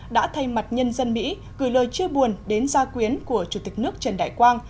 đã thay mặt nhân dân mỹ gửi lời chia buồn đến gia quyến của chủ tịch nước trần đại quang